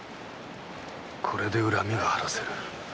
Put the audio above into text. これで恨みが晴らせる。